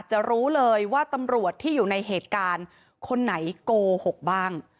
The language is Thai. จะรู้เลยว่าตำรวจที่อยู่ในเหตุการณ์คนไหนโกหกบ้าง